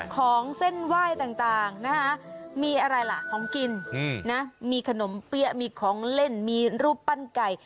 ของเส้นไหว้ต่างนะคะมีอะไรล่ะของกินนะมีขนมเปี้ยมีของเล่นมีรูปปั้นไก่